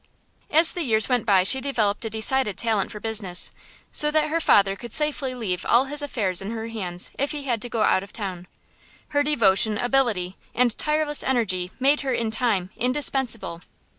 As the years went by she developed a decided talent for business, so that her father could safely leave all his affairs in her hands if he had to go out of town. Her devotion, ability, and tireless energy made her, in time, indispensable.